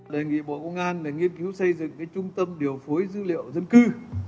đề nghị bộ công an nghiên cứu xây dựng trung tâm điều phối dữ liệu dân cư